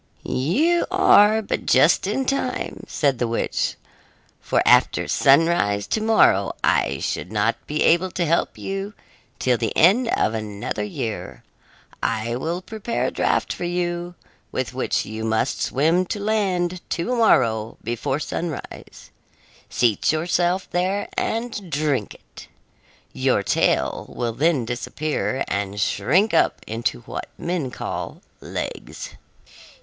"You are but just in time," said the witch, "for after sunrise to morrow I should not be able to help you till the end of another year. I will prepare a draft for you, with which you must swim to land to morrow before sunrise; seat yourself there and drink it. Your tail will then disappear, and shrink up into what men call legs.